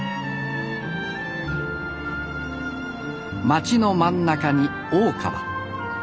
街の真ん中に大川。